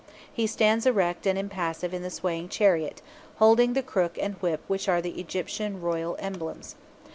He stands erect and impassive in the swaying chariot, holding the crook and whip which are the Egyptian royal emblems.